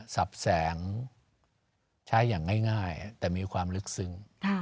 สับแสงใช้อย่างง่ายแต่มีความลึกซึ้ง